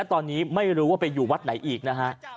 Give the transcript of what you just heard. ตอนนี้ไม่รู้ว่าไปอยู่วัดไหนอีกนะฮะ